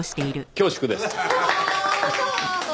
恐縮です。